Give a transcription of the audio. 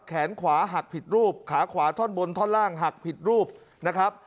แขนขวาหักผิดรูปขาขวาท่อนบนท่อนล่างหักผิดรูปนะครับ